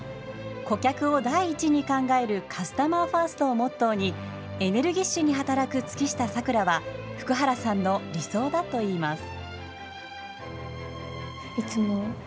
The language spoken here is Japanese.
顧客を第一に考えるカスタマーファーストをモットーにエネルギッシュに働く月下咲良は福原さんの理想だといいます。